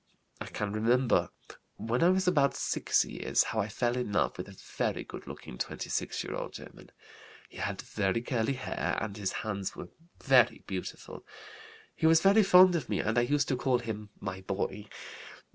"I can remember, when I was about 6 years, how I fell in love with a very good looking 26 year old German. He had very curly hair and his hands were very beautiful. He was very fond of me and I used to call him 'my Boy.'